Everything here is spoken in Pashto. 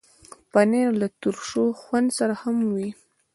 پنېر له ترشو خوند سره هم وي.